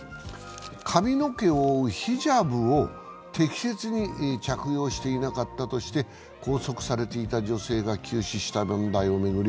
髪の毛を覆うヒジャブを適切に着用していなかったとして拘束されていた女性が急死した問題を巡り